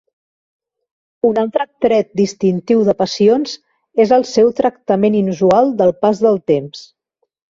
Un altre tret distintiu de "Passions" és el seu tractament inusual del pas del temps.